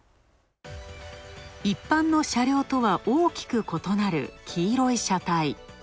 一般の車両とは大きく異なる黄色い車体。